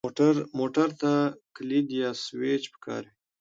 موټر ته کلید یا سوئچ پکار وي.